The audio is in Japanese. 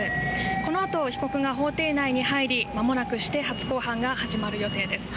このあと被告が法廷内に入りまもなくして初公判が始まる予定です。